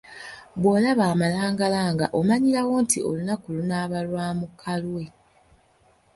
Bw'olaba amalangalanga omanyirawo nti olunaku lunaaba lwa mukalwe.